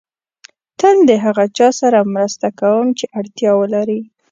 تل د هغه چا سره مرسته کوم چې اړتیا ولري.